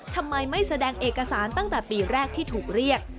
ทำไมไม่แสดงเอกสารตั้งแต่ปีแรกที่ถูกเรียก